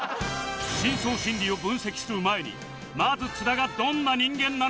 深層心理を分析する前にまず津田がどんな人間なのか？